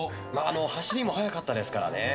走りも速かったですからね。